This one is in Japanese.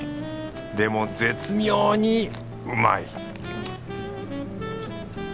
でも絶妙にうまい！